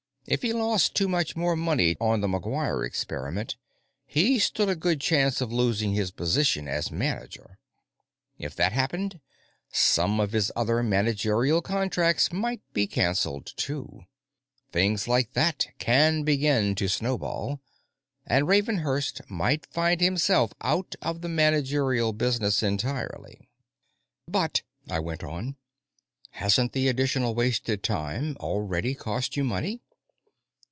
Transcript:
If he lost too much more money on the McGuire experiment, he stood a good chance of losing his position as manager. If that happened some of his other managerial contracts might be canceled, too. Things like that can begin to snowball, and Ravenhurst might find himself out of the managerial business entirely. "But," I went on, "hasn't the additional wasted time already cost you money?"